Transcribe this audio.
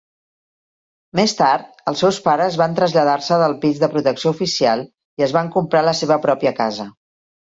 Més tard, els seus pares van traslladar-se del pis de protecció oficial i es van comprar la seva pròpia casa.